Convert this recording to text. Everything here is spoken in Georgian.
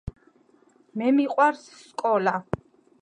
მე მიყვარს სკოლა